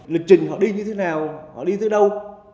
lịch trình họ đi như thế nào họ đi như thế đâu